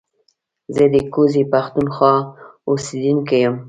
زه د کوزې پښتونخوا اوسېدونکی يم